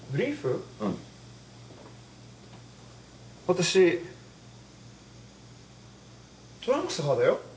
私トランクス派だよ。